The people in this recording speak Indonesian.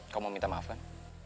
kau mau minta maaf kan